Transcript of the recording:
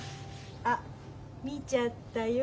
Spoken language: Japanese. あ見ちゃったよ。